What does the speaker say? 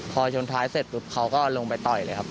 พอชนท้ายเสร็จปุ๊บเขาก็ลงไปต่อยเลยครับ